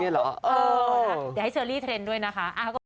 เดี๋ยวให้เชอรี่เทรนด์ด้วยนะคะ